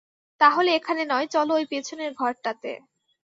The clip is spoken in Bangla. তাহলে এখানে নয়, চলো ওই পিছনের ঘরটাতে।